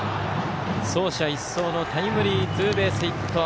走者一掃のタイムリーツーベースヒット。